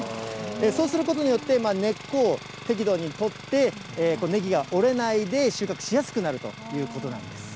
そうすることによって、根っこを適度に取って、ねぎが折れないで、収穫しやすくなるということなんです。